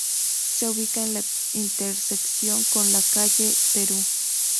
Se ubica en la intersección con la calle Perú.